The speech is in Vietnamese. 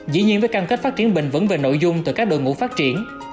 dĩ nhiên với cam kết phát triển bình vẫn về nội dung từ các đội ngũ phát triển